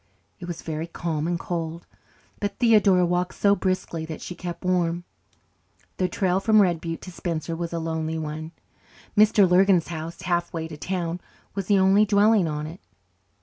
It was very calm and cold, but Theodora walked so briskly that she kept warm. The trail from Red Butte to Spencer was a lonely one. Mr. Lurgan's house, halfway to town, was the only dwelling on it.